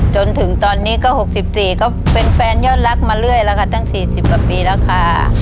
จนถึงตอนนี้ก็๖๔ก็เป็นแฟนยอดรักมาเรื่อยแล้วค่ะตั้ง๔๐กว่าปีแล้วค่ะ